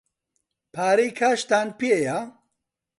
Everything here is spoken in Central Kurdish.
پارەی کاشتان پێیە؟